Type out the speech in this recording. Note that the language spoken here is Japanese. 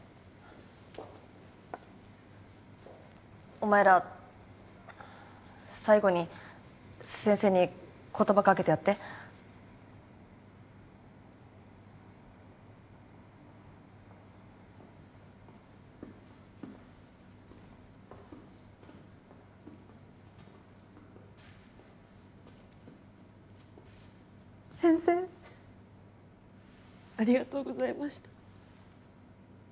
お前ら最後に先生に言葉かけてやって先生・ありがとうございました